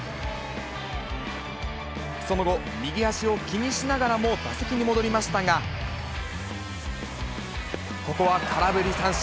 その後、右足を気にしながらも打席に戻りましたが、ここは空振り三振。